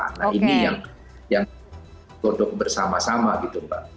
nah ini yang godok bersama sama gitu mbak